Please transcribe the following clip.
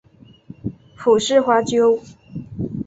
蒲氏花楸